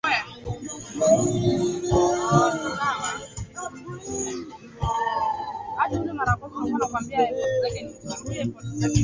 Mwezi Mei, tarehe kumi na tano, mwaka elfu moja mia tisa sitini na sita, ndipo matangazo hayo yaliongezewa dakika nyingine thelathini.